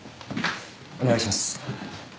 お願いします。